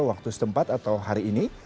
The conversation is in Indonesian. waktu setempat atau hari ini